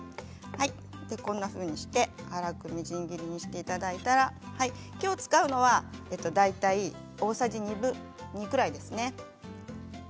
こんなふうにして粗くみじん切りにしていただいたらきょう使うのは大体大さじ２くらいですね。